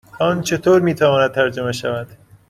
آن چطور می تواند ترجمه شود؟